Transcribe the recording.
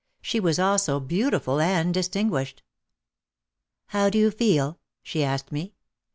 She was also beautiful and distinguished. "How do you feel?" she asked me.